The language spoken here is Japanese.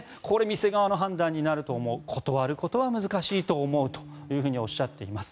店側の判断になると思う断ることは難しいと思うとおっしゃっています。